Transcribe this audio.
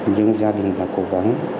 nhưng gia đình đã cố gắng